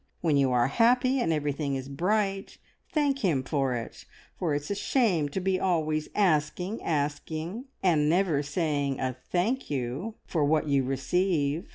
When you are happy and everything is bright, thank Him for it, for it's a shame to be always asking, asking, and never saying a "Thank you" for what you receive.